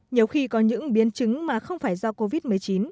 nhiều khi có những biến chứng mà không phải do covid một mươi chín